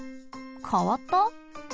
かわった？